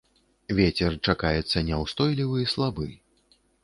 Вецер чакаецца няўстойлівы слабы.